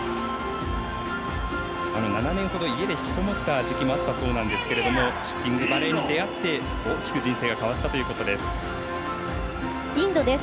７年ほど、家で引きこもった時期もあったそうなんですがシッティングバレーに出会って大きく人生が変わったということです。